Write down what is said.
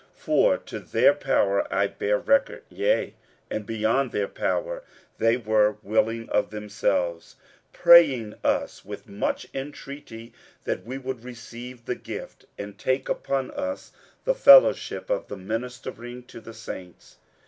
47:008:003 For to their power, I bear record, yea, and beyond their power they were willing of themselves; 47:008:004 Praying us with much intreaty that we would receive the gift, and take upon us the fellowship of the ministering to the saints.